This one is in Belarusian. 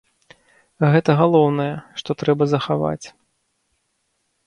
Гэта галоўнае, што трэба захаваць.